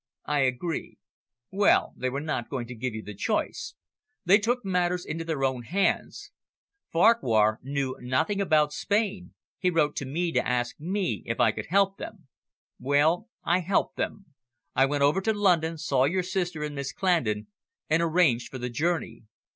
"I agree. Well, they were not going to give you the chance. They took matters into their own hands. Farquhar knew nothing about Spain; he wrote to me to ask me if I could help them. Well, I helped them. I went over to London, saw your sister and Miss Clandon, and arranged for the journey.